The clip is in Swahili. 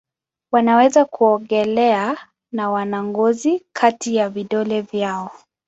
Wanaweza kuogelea na wana ngozi kati ya vidole vyao.